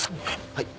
はい。